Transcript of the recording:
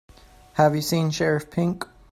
Have you seen Sheriff Pink?